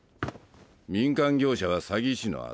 民間業者は詐欺師の集まりだ。